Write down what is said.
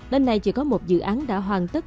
lần này chỉ có một dự án đã hoàn tất